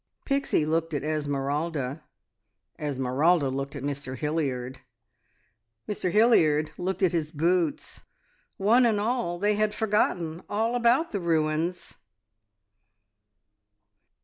Pixie looked at Esmeralda; Esmeralda looked at Mr Hilliard; Mr Hilliard looked at his boots. One and all they had forgotten all about the ruins!